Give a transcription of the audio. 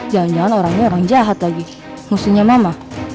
jangan jangan orangnya orang jahat lagi musuhnya mama